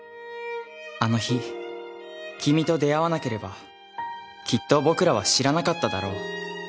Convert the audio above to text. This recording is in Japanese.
あの日君と出会わなければきっと僕らは知らなかっただろう